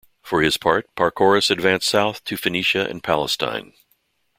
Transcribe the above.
For his part, Pacorus advanced south to Phoenicia and Palestine.